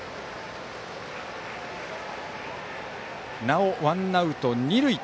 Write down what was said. なおワンアウト二塁。